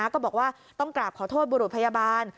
ก็บอกว่าต้องกราบขอโทษบุรุษพยาบาล